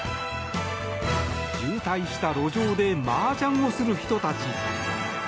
渋滞した路上でマージャンをする人たち。